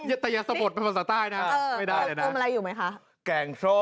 แต่อย่าสะบดประธานศาสตร์ใต้นะ